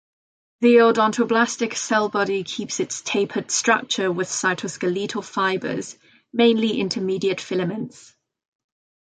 The odontoblastic cell body keeps its tapered structure with cytoskeletal fibres, mainly intermediate filaments.